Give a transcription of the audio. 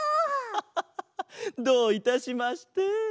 ハハハハッどういたしまして。